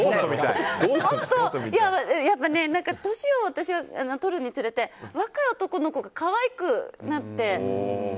やっぱり私が年を取るにつれて若い男の子が可愛くなって。